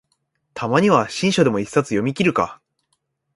たまには新書でも一冊読みきるか